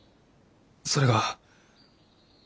それが。